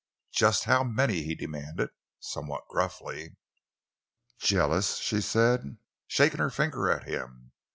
"Just how many?" he demanded, somewhat gruffly. "Jealous!" she said, shaking her finger at him.